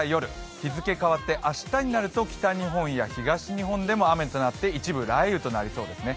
日付変わって、北日本や東日本でも雨となって、一部雷雨となりそうですね。